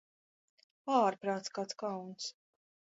Ārprāts, kāds kauns!